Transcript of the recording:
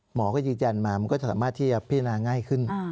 หมอก็ยืนยันมามันก็จะสามารถที่จะพิจารณาง่ายขึ้น